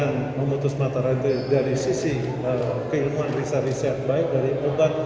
dan memutus matahari dari sisi keilmuan riset riset baik dari ubat